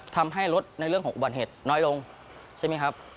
ทำให้รถในเรื่องของอุบัติเหตุน้อยลงใช่ไหมครับ